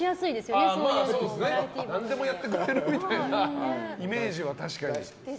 何でもやってくれるイメージは確かに。